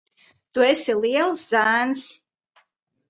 Tu esi liels zēns.